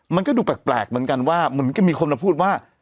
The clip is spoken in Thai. มันก็ดูแปลกเหมือนกันว่าเหมือนกับมีคนมาพูดว่า